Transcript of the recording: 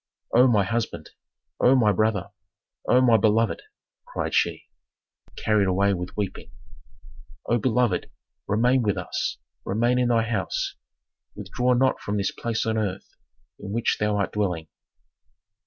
"O my husband! O my brother! O my beloved!" cried she, carried away with weeping. "O beloved, remain with us, remain in thy house, withdraw not from this place on earth in which thou art dwelling!"